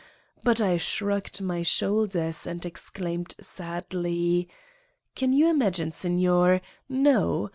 But I shrugged my shoulders and exclaimed sadly : "Can you imagine Signor No!